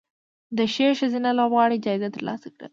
د ښې ښځینه لوبغاړې جایزه ترلاسه کړه